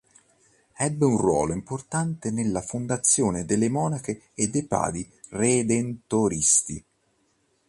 Ebbe un ruolo importante nella fondazione delle monache e dei padri redentoristi.